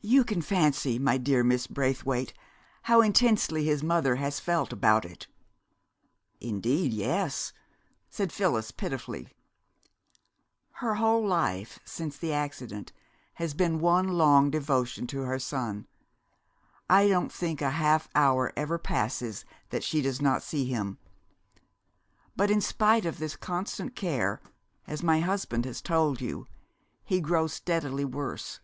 "You can fancy, my dear Miss Braithwaite, how intensely his mother has felt about it." "Indeed, yes!" said Phyllis pitifully. "Her whole life, since the accident, has been one long devotion to her son. I don't think a half hour ever passes that she does not see him. But in spite of this constant care, as my husband has told you, he grows steadily worse.